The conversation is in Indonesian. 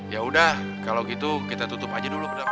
yaudah kalo gitu kita tutup aja dulu bener bener